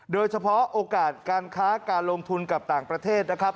โอกาสการค้าการลงทุนกับต่างประเทศนะครับ